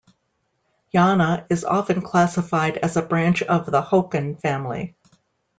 Yana is often classified as a branch of the Hokan family.